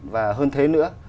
và hơn thế nữa